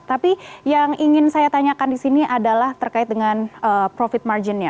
tapi yang ingin saya tanyakan di sini adalah terkait dengan profit marginnya